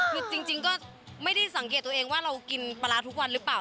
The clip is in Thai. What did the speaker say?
คือจริงก็ไม่ได้สังเกตตัวเองว่าเรากินปลาร้าทุกวันหรือเปล่า